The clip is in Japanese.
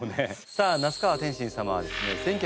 さあ那須川天心様はですね